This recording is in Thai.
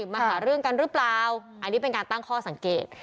มาหาเรื่องกันหรือเปล่าอันนี้เป็นการตั้งข้อสังเกต